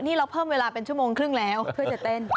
นี่เราเพิ่มเวลาเป็นชั่วโมงครึ่งแล้วเพื่อจะเต้น